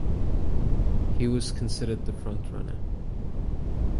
He was considered the frontrunner.